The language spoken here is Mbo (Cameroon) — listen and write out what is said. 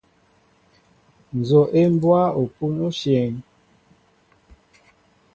Nzoʼ e mɓɔa opun oshyɛέŋ.